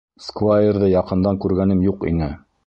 Сквайрҙы яҡындан күргәнем юҡ ине.